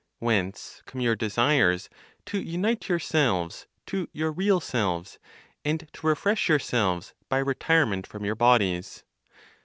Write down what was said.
Whence come your desires to unite yourselves to your real selves, and to refresh yourselves by retirement from your bodies?